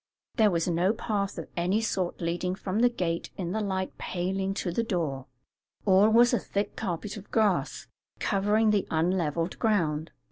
There was no path of any sort leading from the gate in the light paling to the door; all was a thick carpet of grass, covering the unlevelled ground.